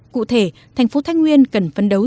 cụ thể thành phố thái nguyên cần phấn đấu